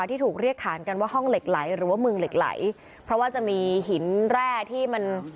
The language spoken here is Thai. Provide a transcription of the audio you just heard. ที่ถูกเรียกขานกันว่าห้องเหล็กไหลหรือว่าเมืองเหล็กไหลเพราะว่าจะมีหินแร่ที่มัน